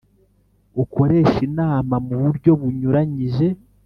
Ukoresha inama mu buryo bunyuranyije